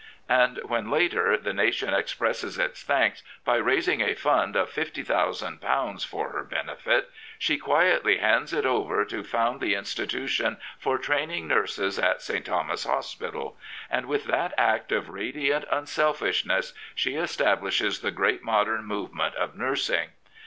And when later the nation expresses its thanks by raising a fund of £ 50,000 for her benefit, she quietly hands it over to found the institution for training nurses at St. Thomas's Hospital. And with that act of radiant unselfishness she establishes the great modern move ment of nursing.